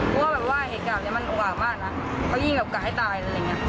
ก็ว่าเหตุการณ์เนี่ยมันเหมาะมากนะเขายิ่งกลักกายตายแบบงี้